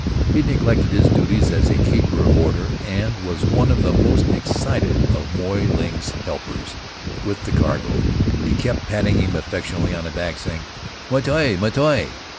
He neglected his duties as a keeper of order, and was one of the most excited of Moy Ling's helpers with the cargo. He kept patting him affectionately on the back, saying, "Maitai! maitai!"